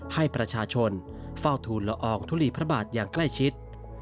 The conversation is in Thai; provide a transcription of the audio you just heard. ให้ประชาชนเฝ้าทูลละอองทุลีพระบาทอย่างใกล้ชิด